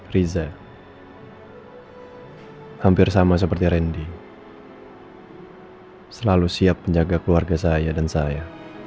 riza hampir sama seperti randy selalu siap menjaga keluarga saya dan saya